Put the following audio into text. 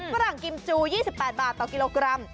ฝรั่งกิมจู๒๘บาทต่อกิโลกรัม